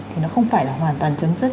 thì nó không phải là hoàn toàn chấm dứt